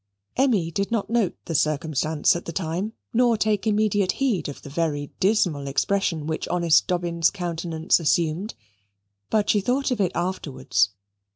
Emmy did not note the circumstance at the time, nor take immediate heed of the very dismal expression which honest Dobbin's countenance assumed, but she thought of it afterwards.